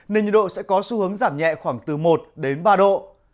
nên nhiệt độ sẽ có xu hướng giảm nhẹ khoảng từ một đến ba độ